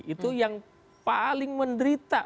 itu yang paling menderita